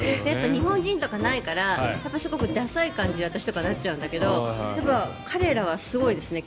日本人とかはないからすごください感じに私とかはなっちゃうんだけど彼らはすごいですね